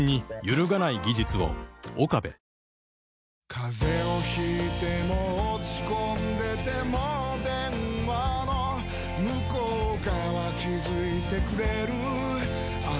風邪を引いても落ち込んでても電話の向こう側気付いてくれるあなたの声